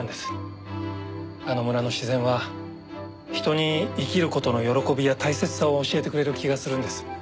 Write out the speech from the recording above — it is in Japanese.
あの村の自然は人に生きる事の喜びや大切さを教えてくれる気がするんです。